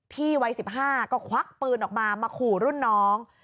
วัย๑๕ก็ควักปืนออกมามาขู่รุ่นน้อง